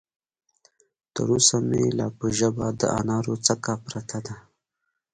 تر اوسه مې لا په ژبه د انارو څکه پرته ده.